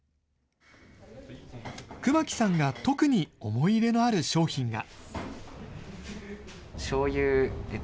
久間木さんが特に思い入れのある商品が。